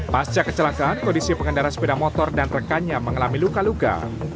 pasca kecelakaan kondisi pengendara sepeda motor dan rekannya mengalami luka luka